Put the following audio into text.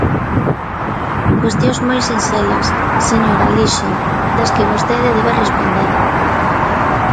Cuestións moi sinxelas, señor Alixo, das que vostede debe responder.